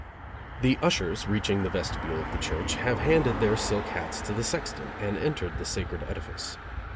The ushers, reaching the vestibule of the church, have handed their silk hats to the sexton, and entered the sacred edifice.